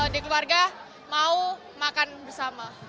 di keluarga mau makan bersama